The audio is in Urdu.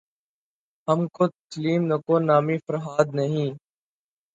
ہم کو تسلیم نکو نامیِ فرہاد نہیں